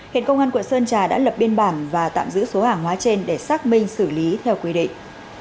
hiện công an quận sơn trà đã lập biên bản và tạm giữ số hàng hóa trên để xác minh xử lý theo quy định